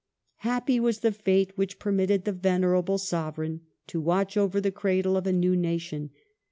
^ Happy was the fate which permitted the venerable Sovereign to Death of watch over the cradle of a new Nation.